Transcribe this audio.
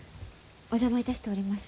お邪魔いたしております。